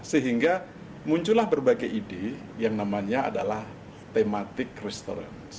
sehingga muncullah berbagai ide yang namanya adalah thematic restaurant